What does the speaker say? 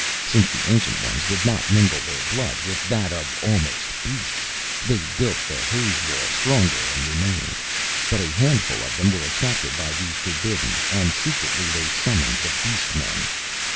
Since the Ancient Ones would not mingle their blood with that of almost beasts, they built the haze wall stronger and remained. But a handful of them were attracted by the forbidden, and secretly they summoned the beast men.